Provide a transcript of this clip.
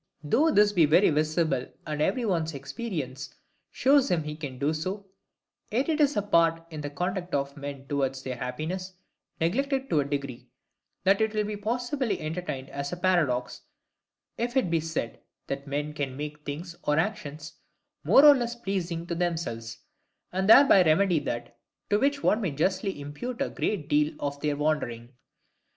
Though this be very visible, and every one's experience shows him he can do so; yet it is a part in the conduct of men towards their happiness, neglected to a degree, that it will be possibly entertained as a paradox, if it be said, that men can MAKE things or actions more or less pleasing to themselves; and thereby remedy that, to which one may justly impute a great deal of their wandering.